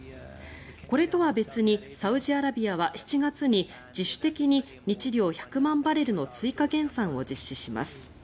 これとは別にサウジアラビアは７月に自主的に日量１００万バレルの追加減産を実施します。